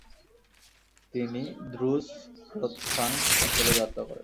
তিনি দ্বুস-গ্ত্সাং অঞ্চলে যাত্রা করেন।